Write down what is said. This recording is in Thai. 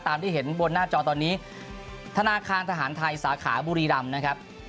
ที่เห็นบนหน้าจอตอนนี้ธนาคารทหารไทยสาขาบุรีรำนะครับ